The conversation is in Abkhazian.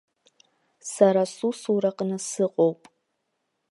Сара сусураҟны сыҟоуп.